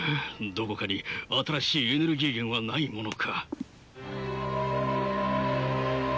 どこかに新しいエネルギー源はないものか。